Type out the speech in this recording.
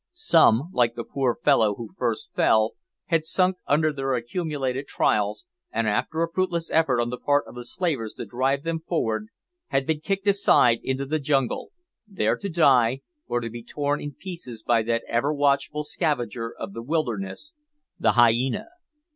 Some, like the poor fellow who first fell, had sunk under their accumulated trials, and after a fruitless effort on the part of the slavers to drive them forward, had been kicked aside into the jungle, there to die, or to be torn in pieces by that ever watchful scavenger of the wilderness, the hyena.